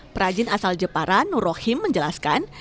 perajin asal jepara nur rohim menjelaskan